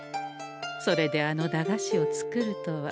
それであの駄菓子を作るとは。